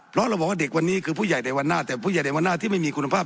เพราะเราบอกว่าเด็กวันนี้คือผู้ใหญ่ในวันหน้าแต่ผู้ใหญ่ในวันหน้าที่ไม่มีคุณภาพ